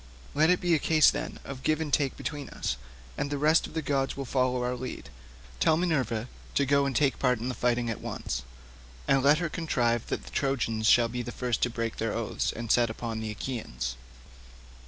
Let it be a case, then, of give and take between us, and the rest of the gods will follow our lead. Tell Minerva to go and take part in the fight at once, and let her contrive that the Trojans shall be the first to break their oaths and set upon the Achaeans."